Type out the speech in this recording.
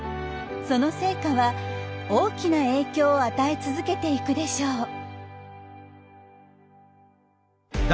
その成果は大きな影響を与え続けていくでしょう。